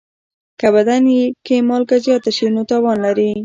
که بدن کې مالګه زیاته شي، نو تاوان لري.